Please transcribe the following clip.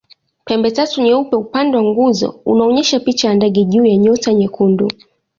Pembetatu nyeupe upande wa nguzo unaonyesha picha ya ndege juu ya nyota nyekundu.